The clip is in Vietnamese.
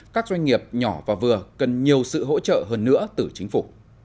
các doanh nghiệp nhỏ và vừa cần nhiều sự hỗ trợ hơn nữa từ chính phủ